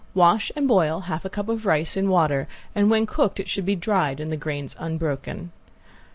Wash and boil half a cup of rice in water, and when cooked it should be dried and the grains unbroken.